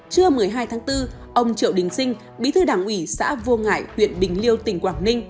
trưa một mươi hai tháng bốn ông triệu đình sinh bí thư đảng ủy xã vô ngại huyện bình liêu tỉnh quảng ninh